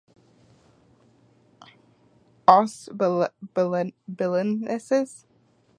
Os Belenenses.